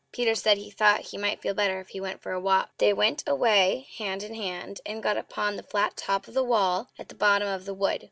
Peter said he thought he might feel better if he went for a walk. They went away hand in hand, and got upon the flat top of the wall at the bottom of the wood.